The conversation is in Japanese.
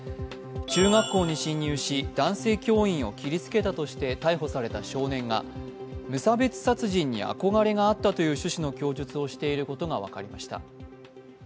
中学校に侵入し、男性教員を切りつけたとして逮捕された少年が、無差別殺人に憧れがあったという趣旨の供述をしていることが分かりました。